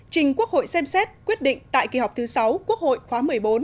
trình quốc hội xem xét quyết định tại kỳ họp thứ sáu quốc hội khóa một mươi bốn